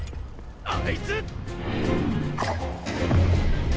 あいつ！！